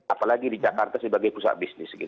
apalagi di jakarta sebagai pusat bisnis